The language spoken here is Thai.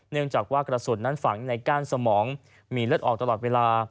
เนื่องจากว่ากระสุนนั้นฝังในก้านสมองมีเลือดออกตลอดเวลา